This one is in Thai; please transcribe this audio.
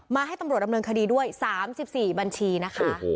ให้ตำรวจดำเนินคดีด้วย๓๔บัญชีนะคะ